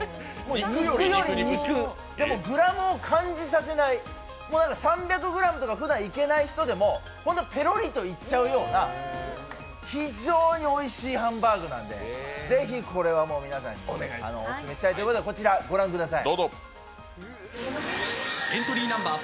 でもグラムを感じさせない３００ｇとかふだんいけない人でもペロリといっちゃうような非常においしいハンバーグなのでぜひこれはもう皆さんにオススメしたいということで、こちらご覧ください。